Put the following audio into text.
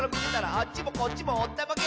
「あっちもこっちもおったまげ！」